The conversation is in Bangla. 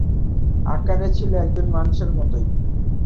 আকারে ছিলো একজন মানুষের মতোই।